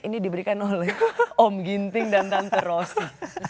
ini diberikan oleh om ginting dan tante rosti